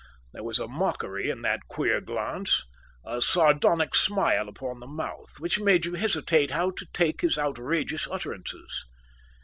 There was a mockery in that queer glance, a sardonic smile upon the mouth, which made you hesitate how to take his outrageous utterances.